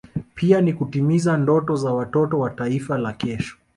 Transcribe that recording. pia ni kutimiza ndoto za watoto wa Taifa la kesho